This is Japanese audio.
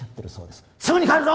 すぐに帰るぞ！